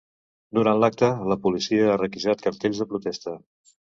Durant l’acte, la policia ha requisat cartells de protesta.